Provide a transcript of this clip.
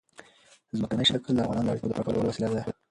ځمکنی شکل د افغانانو د اړتیاوو د پوره کولو وسیله ده.